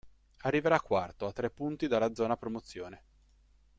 Arriverà quarto a tre punti dalla zona promozione.